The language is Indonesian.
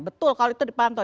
betul kalau itu dipantau